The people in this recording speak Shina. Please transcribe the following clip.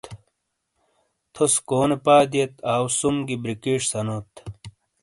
تھوس کونے پا دِیئت آٶ سُم گی بِریکِش سَنوت ۔